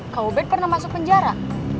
kau bet pernah masuk penjara